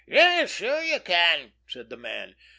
"Yes, sure, you can," said the man.